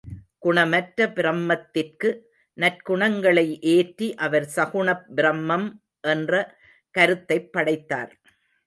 குணமற்ற பிரம்மத்திற்கு நற்குணங்களை ஏற்றி அவர் சகுணப் பிரம்மம் என்ற கருத்தைப் படைத்தார்.